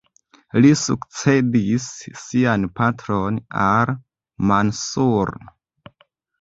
Li sukcedis sian patron, al-Mansur.